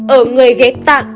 ở người ghép tạng